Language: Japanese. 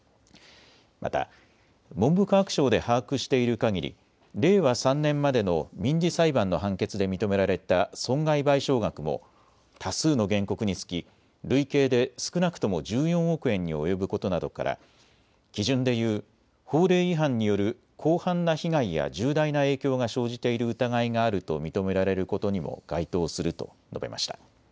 また文部科学省で把握しているかぎり令和３年までの民事裁判の判決で認められた損害賠償額も多数の原告につき累計で少なくとも１４億円に及ぶことなどから基準でいう法令違反による広範な被害や重大な影響が生じている疑いがあると認められることにも該当すると述べました。